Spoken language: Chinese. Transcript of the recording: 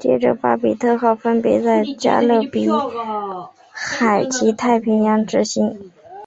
接着巴比特号分别在加勒比海及太平洋执勤。